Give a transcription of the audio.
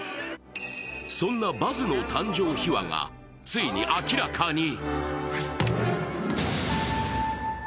そんなバズの誕生秘話がついに明らかに。